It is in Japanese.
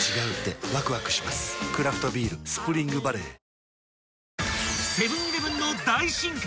クラフトビール「スプリングバレー」［セブン−イレブンの大進化！